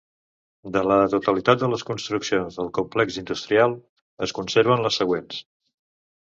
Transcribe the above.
De la totalitat de les construccions del complex industrial es conserven les següents.